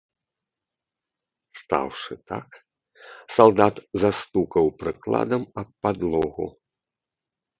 Стаўшы так, салдат застукаў прыкладам аб падлогу.